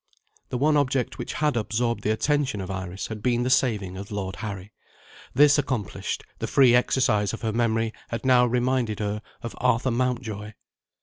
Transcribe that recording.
The one object which had absorbed the attention of Iris had been the saving of Lord Harry. This accomplished, the free exercise of her memory had now reminded her of Arthur Mountjoy.